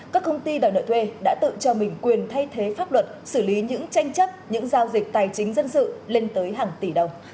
các công ty đòi nợ thuê đã tự cho mình quyền thay thế pháp luật xử lý những tranh chấp những giao dịch tài chính dân sự lên tới hàng tỷ đồng